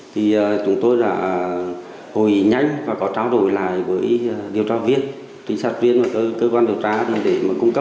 thì chúng tôi đã hồi nhanh và có trả lời lại với điều tra viên tỉnh sát viên và cơ quan điều tra để cung cấp một số thông tin